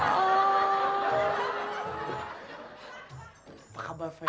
apa kabar fer